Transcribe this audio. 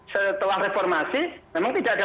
setelah reformasi memang tidak ada